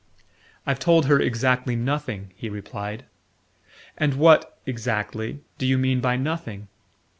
"I've told her exactly nothing," he replied. "And what exactly do you mean by 'nothing'?